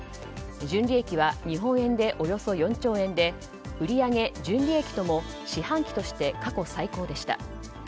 純利益は日本円でおよそ４兆円で売り上げ、純利益とも四半期として過去最高でした。